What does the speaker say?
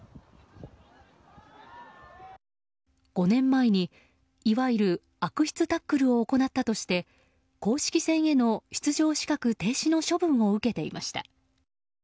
５年前にいわゆる悪質タックルを行ったとして公式戦への出場資格停止の処分を受けていました。